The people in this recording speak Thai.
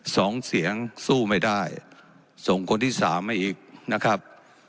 สองเสียงสู้ไม่ได้ส่งคนที่สามมาอีกนะครับ